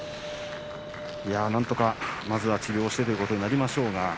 なんとかまずは治療をしてということになりますでしょうか。